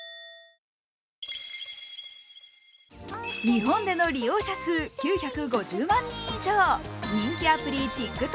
日本での利用者数９５０万人以上人気アプリ